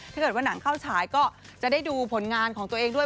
ถ้าเกิดว่าหนังเข้าฉายก็จะได้ดูผลงานของตัวเองด้วย